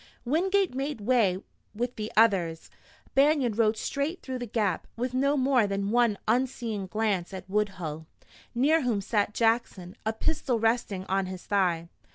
Wingate made way with the others. Banion rode straight through the gap, with no more than one unseeing glance at Woodhull, near whom sat Jackson, a pistol resting on his thigh.